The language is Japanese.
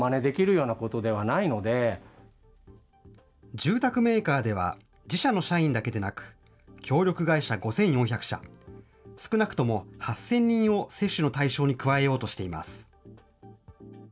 住宅メーカーでは、自社の社員だけでなく、協力会社５４００社、少なくとも８０００人を接種の対象に加えようとしています。